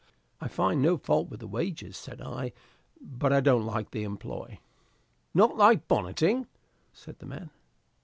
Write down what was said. "I find no fault with the wages," said I, "but I don't like the employ." "Not like bonneting?" said the man.